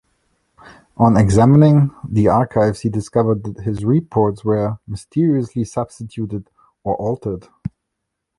On examining the archives he discovered that his reports were "mysteriously substituted or altered".